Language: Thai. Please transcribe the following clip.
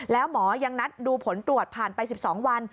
แล้วหมอยังนัดดูผลตรวจผ่านไป๑๒วัน